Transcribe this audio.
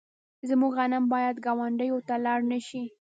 زموږ غنم باید ګاونډیو ته لاړ نشي.